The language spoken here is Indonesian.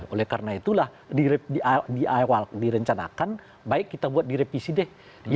oleh karena itulah di awal direncanakan baik kita buat direvisi deh